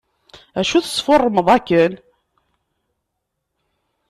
Acu tesfurrumeḍ akken?